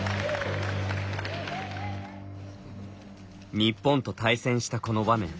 日本と対戦したこの場面